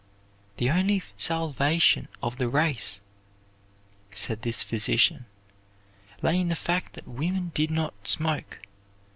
The only salvation of the race, said this physician, lay in the fact that women did not smoke.